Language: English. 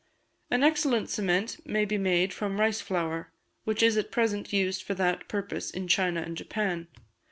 An excellent cement may be made from rice flour, which is at present used for that purpose in China and Japan.